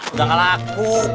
udah kalah aku